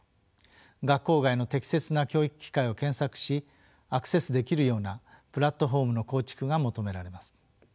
学校外の適切な教育機会を検索しアクセスできるようなプラットフォームの構築が求められます。